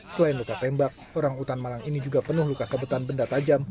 selain luka tembak orang utan malang ini juga penuh luka sabetan benda tajam